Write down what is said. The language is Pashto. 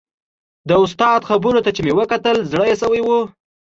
د استاد خبرو ته چې مې وکتل زړه یې شوی و.